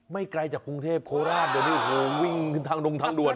ไม่ไกลจากกรุงเทพฯโคลราชโอ้โหวิ่งขึ้นทางดวน